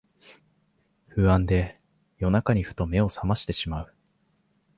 不安で夜中にふと目をさましてしまう